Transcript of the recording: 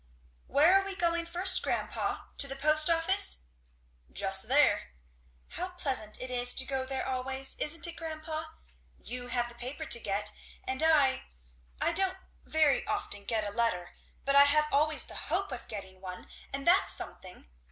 "Where are we going first, grandpa? to the post office?" "Just there!" "How pleasant it is to go there always, isn't it, grandpa? You have the paper to get, and I I don't very often get a letter, but I have always the hope of getting one; and that's something.